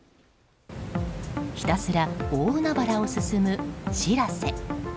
ひたすら大海原を進む「しらせ」。